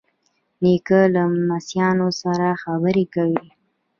نیکه له لمسیانو سره خبرې کوي.